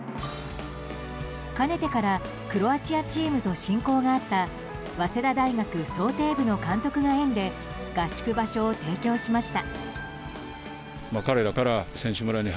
かねてからクロアチアチームと親交があった早稲田大学漕艇部の監督が縁で合宿場所を提供しました。